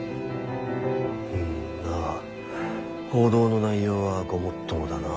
まあ報道の内容はごもっともだな。